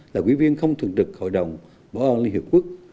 là quý viên không thường trực hội đồng bảo an liên hiệp quốc